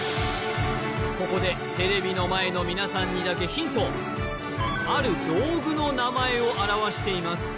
ここでテレビの前の皆さんにだけヒントある道具の名前を表しています